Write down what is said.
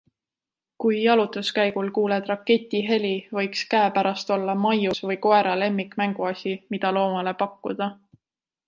Kui jalutuskäigul kuuled raketi heli, võiks käepärast olla maius või koera lemmikmänguasi, mida loomale pakkuda.